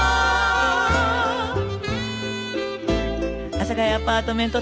阿佐ヶ谷アパートメント